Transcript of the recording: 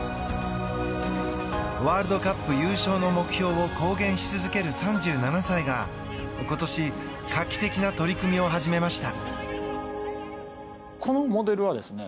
ワールドカップ優勝の目標を公言し続ける３７歳が今年、画期的な取り組みを始めました。